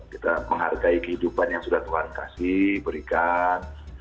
kita menghargai kehidupan yang sudah tuhan kasih berikan